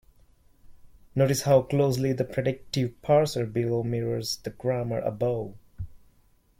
Notice how closely the predictive parser below mirrors the grammar above.